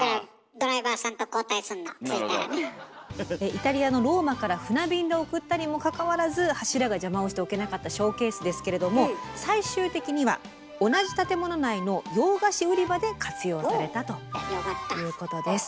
イタリアのローマから船便で送ったにもかかわらず柱が邪魔をして置けなかったショーケースですけれども最終的には同じ建物内の洋菓子売り場で活用されたということです。